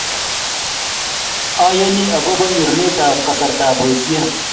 Ayani akobo nyorunetab kasartab boisie